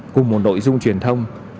cùng một đội dung truyền thông